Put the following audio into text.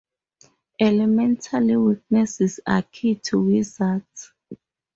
Elemental weaknesses are key to wizards.